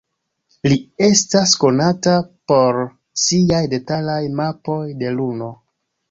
Li estas konata por siaj detalaj mapoj de Luno.